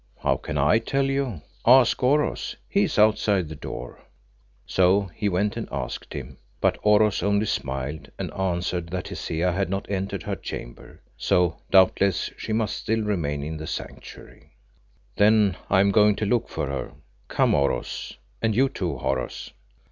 "How can I tell you? Ask Oros; he is outside the door." So he went and asked him, but Oros only smiled, and answered that the Hesea had not entered her chamber, so doubtless she must still remain in the Sanctuary. "Then I am going to look for her. Come, Oros, and you too, Horace."